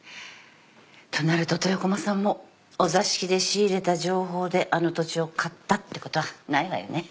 となると豊駒さんもお座敷で仕入れた情報であの土地を買ったってことはないわよね。